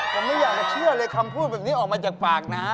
ผมไม่อยากจะเชื่อเลยคำพูดแบบนี้ออกมาจากปากนะ